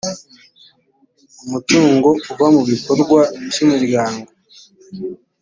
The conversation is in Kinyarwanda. umutungo uva mu bikorwa by’umuryango